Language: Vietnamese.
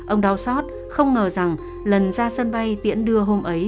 ông đau xót không ngờ rằng lần ra sân bay tiễn đưa hôm ấy